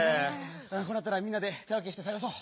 こうなったらみんなで手わけしてさがそう！